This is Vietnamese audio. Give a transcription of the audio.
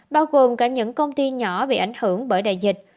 bao gồm cả những công ty nhỏ bị ảnh hưởng bởi đại dịch